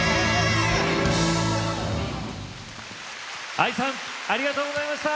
ＡＩさんありがとうございました！